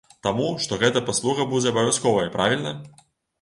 Таму, што гэта паслуга будзе абавязковай, правільна?